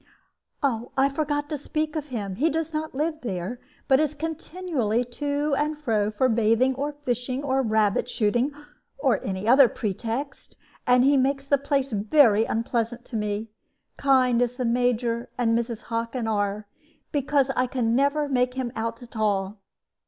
"I forgot to speak of him. He does not live there, but is continually to and fro for bathing, or fishing, or rabbit shooting, or any other pretext. And he makes the place very unpleasant to me, kind as the Major and Mrs. Hockin are, because I can never make him out at all."